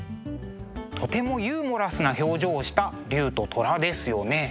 とてもユーモラスな表情をした龍と虎ですよね。